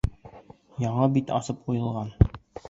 Яңы бит асып ҡуйылған...